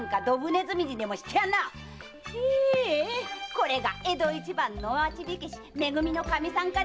これが江戸一番の町火消しめ組のかみさんかねえ！